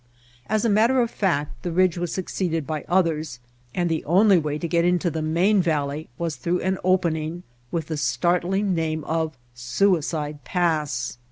As a mat ter of fact the ridge was succeeded by others, and the only way to get into the main valley was through an opening with the startling name of Suicide Pass.